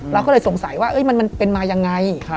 เราก็เลยสงสัยว่ามันเป็นมายังไง